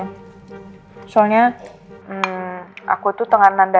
kemana itu aku gak mau bikin papa khawatir